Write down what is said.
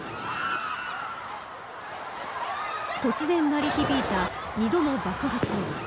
突然、鳴り響いた２度の爆発音。